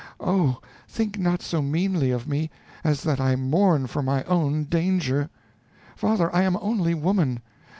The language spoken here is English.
Oh! think not so meanly of me, as that I mourn for my own danger. Father, I am only woman.